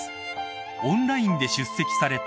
オンラインで出席された］